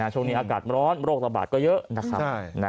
ช่วงนี้อากาศร้อนโรคระบาดก็เยอะนะครับ